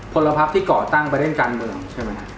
พลพักที่ก่อตั้งไปเล่นการเมืองใช่ไหมครับ